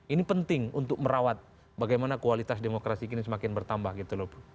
ini penting untuk merawat bagaimana kualitas demokrasi kini semakin bertambah gitu loh